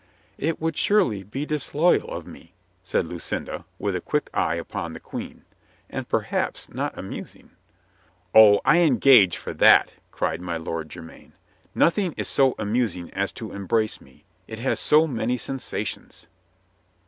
"It would surely be disloyal of me," said Lucinda, with a quick eye upon the Queen, "and perhaps not amusing." "Oh, I engage for that!" cried my Lord Jermyn. "Nothing is so amusing as to embrace me. It has so many sensations."